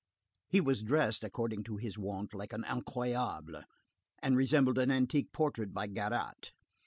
He was dressed, according to his wont, like an incroyable, and resembled an antique portrait by Garat.